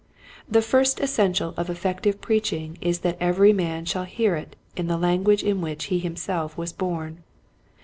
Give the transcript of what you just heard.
The first essential of effective preach ing is that every man shall hear it in the language in which he himself was born.